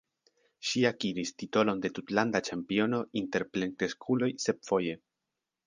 Ŝi akiris titolon de tutlanda ĉampiono inter plenkreskuloj sep foje.